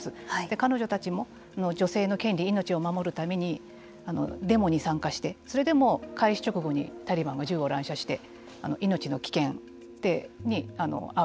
彼女たちの女性の権利命を守るためにデモに参加してそれでも開始直後にタリバンが銃を乱射して命の危険に遭う。